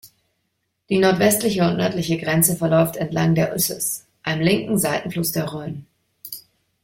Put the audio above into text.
Die nordwestliche und nördliche Grenze verläuft entlang der Usses, einem linken Seitenfluss der Rhône.